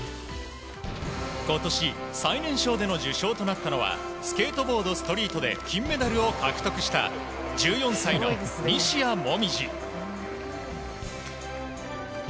今年最年少での受章となったのはスケートボード・ストリートで金メダルを獲得した１４歳の西矢椛。